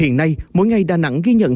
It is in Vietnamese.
hiện nay mỗi ngày đà nẵng ghi nhận